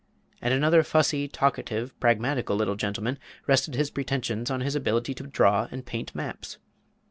And another fussy, talkative, pragmatical little gentleman rested his pretensions on his ability to draw and paint maps!